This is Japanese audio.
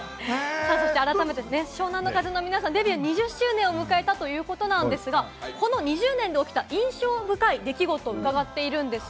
改めて湘南乃風の皆さん、デビュー２０周年を迎えたということなんですが、この２０年で起きた印象深い出来事を伺っています。